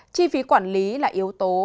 chi phí quản lý là yếu tố